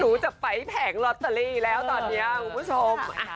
หนูจะไปแผงลอตเตอรี่แล้วตอนนี้